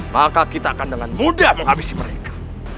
maka kita akan dengan mudah menghabisi mereka